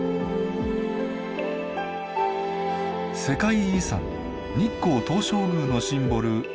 世界遺産日光東照宮のシンボル